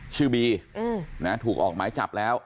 ชื่อบีถูกออกหมายจับแล้ว